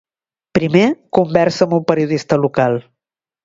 Primer, conversa amb un periodista local.